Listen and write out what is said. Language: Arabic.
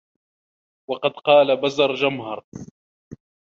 وَقَدْ قَالَ بَزَرْجَمْهَرُ